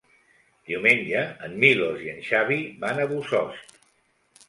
Diumenge en Milos i en Xavi van a Bossòst.